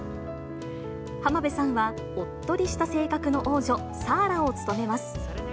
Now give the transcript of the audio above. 浜辺さんは、おっとりした性格の王女、サーラを務めます。